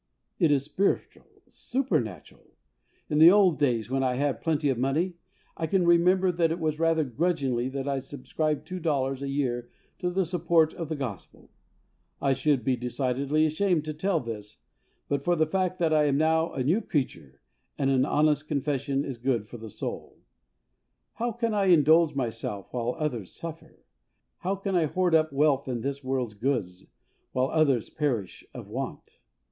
It is spiritual — supernatural. In the old days when I had plenty of money, I can remember that it was rather grudgingly that I subscribed two dollars a year to the support of the Gospel ! I should be decidedly ashamed to tell this, but for the fact that I am new "a new creature," and an honest confession is good for the soul. How can I indulge myself while others suffer? How can I hoard up wealth and this world's goods while others perish of want